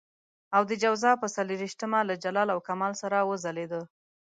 او د جوزا پر څلور وېشتمه له جلال او کمال سره وځلېده.